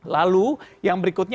lalu yang berikutnya